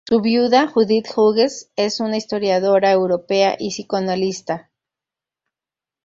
Su viuda, Judith Hughes, es un historiadora Europea y psicoanalista.